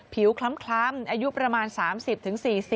คล้ำอายุประมาณ๓๐๔๐